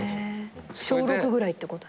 小６ぐらいってこと？